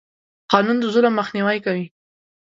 قانون د ظلم مخنیوی کوي.